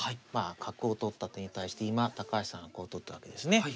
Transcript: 角を取った手に対して今高橋さんがこう取ったわけですね。